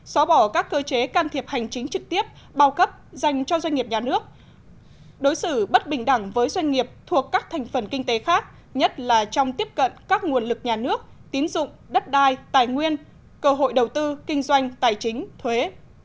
xóa bỏ các cơ chế can thiệp hành chính trực tiếp bao cấp dành cho doanh nghiệp nhà nước đối xử bất bình đẳng với doanh nghiệp thuộc các thành phần kinh tế khác nhất là trong tiếp cận các nguồn lực nhà nước tín dụng đất đai tài nguyên cơ hội đầu tư kinh doanh tài chính thuế